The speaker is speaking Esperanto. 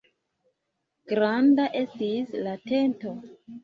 Granda estis la tento.